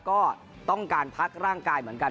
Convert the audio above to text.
ก็ต้องการพักร่างกายเหมือนกัน